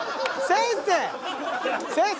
先生。